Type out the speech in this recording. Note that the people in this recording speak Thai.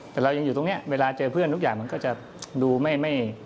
แต่เรายังอยู่ตรงนี้เวลาเจอเพื่อนทุกอย่างมันก็จะดูไม่